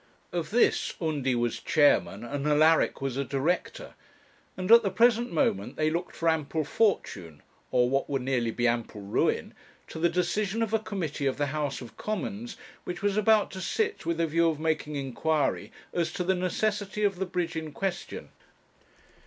Of this Undy was chairman, and Alaric was a director, and at the present moment they looked for ample fortune, or what would nearly be ample ruin, to the decision of a committee of the House of Commons which was about to sit with the view of making inquiry as to the necessity of the bridge in question.